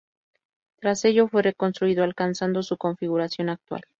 Tras ello, fue reconstruido alcanzando su configuración actual.